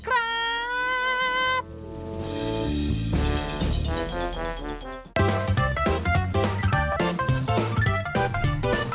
โปรดติดตามตอนต่อไป